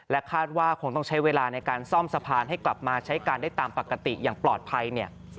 คาดว่าคงต้องใช้เวลาในการซ่อมสะพานให้กลับมาใช้การได้ตามปกติอย่างปลอดภัยเนี่ย